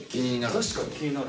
確かに気になる。